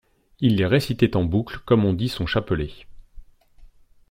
Il les récitait en boucle comme on dit son chapelet.